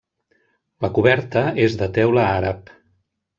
La coberta és de teula àrab.